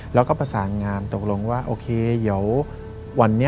แล้วก็ประสานงานตกลงว่าโอเคเดี๋ยววันนี้